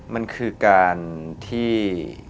มันคือการที่